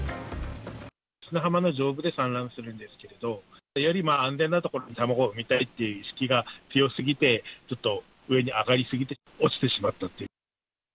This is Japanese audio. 砂浜の上部で産卵するんですけれど、より安全な所で卵を産みたいっていう意識が強すぎて、ちょっと上に上がり過ぎて、落ちてしまったと。